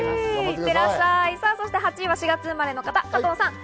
８位は４月生まれの方、加藤さん。